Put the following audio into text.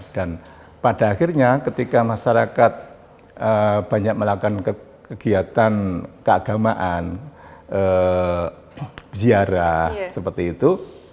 dan pada akhirnya ketika masyarakat banyak melakukan kegiatan keagamaan ziarah seperti itu